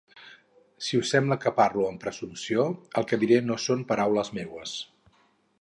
Si us sembla que parlo amb presumpció, el que diré no són paraules meues